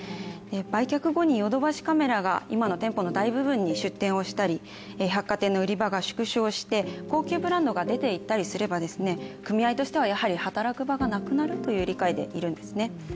売却後にヨドバシカメラが今の店舗の大部分に出店したり百貨店の売り場が縮小して、高級ブランドが出て行ったりすれば組合としては働く場がなくなるという理解でいるんですね。